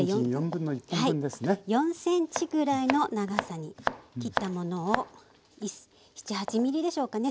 ４ｃｍぐらいの長さに切ったものを７８ｍｍでしょうかね